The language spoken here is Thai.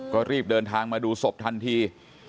ก็รีบเดินทางมาดูศพทันที